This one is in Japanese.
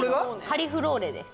カリフローレです